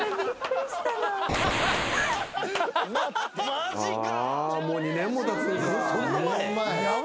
マジか。